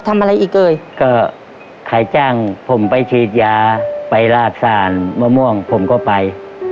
ทำอะไรอีกเอ่ยก็ใครจ้างผมไปฉีดยาไปลาดซ่านมะม่วงผมก็ไป